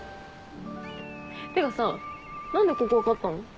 てかさ何でここ分かったの？